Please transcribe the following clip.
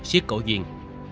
xuyết cổ duyên